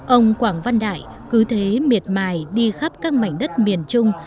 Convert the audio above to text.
ông quảng văn đại cứ thế miệt mài đi khắp các mảnh đất miền trung